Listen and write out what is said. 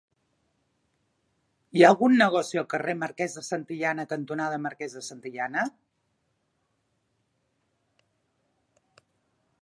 Hi ha algun negoci al carrer Marquès de Santillana cantonada Marquès de Santillana?